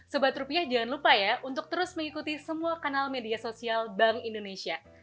sebab rupiah jangan lupa ya untuk terus mengikuti semua kanal media sosial bank indonesia